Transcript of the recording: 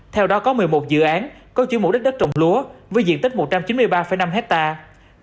theo đó có một mươi một dự án có chuyển mục đích đất trồng lúa với diện tích một trăm chín mươi ba năm hectare